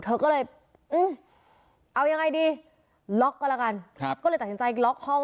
เธอก็เลยอืมเอายังไงดีล็อกก็แล้วกันครับก็เลยตัดสินใจล็อกห้อง